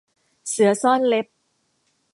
เสือซ่อนเล็บ